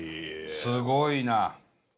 すごいな。